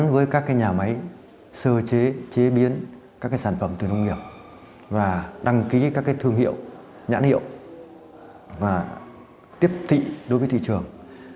với các nhà máy sơ chế chế biến các sản phẩm từ nông nghiệp và đăng ký các thương hiệu nhãn hiệu và tiếp thị đối với thị trường